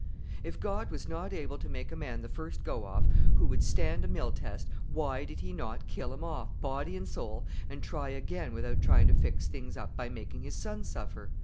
If God was not able to make a man the first go off who would stand a mill test, why did He not kill him off, body and soul, and try again without trying to fix things up by making His Son suffer?